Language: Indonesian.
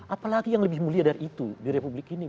apalagi yang lebih mulia dari itu di republik ini